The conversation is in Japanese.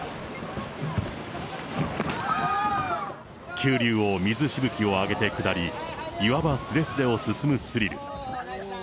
急流を水しぶきを上げて下り、岩場すれすれを進むスリル。